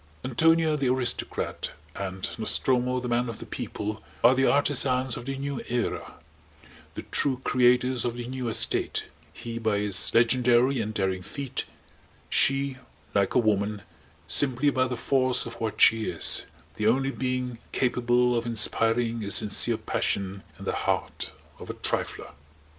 Antonia the Aristocrat and Nostromo the Man of the People are the artisans of the New Era, the true creators of the New State; he by his legendary and daring feat, she, like a woman, simply by the force of what she is: the only being capable of inspiring a sincere passion in the heart of a trifler.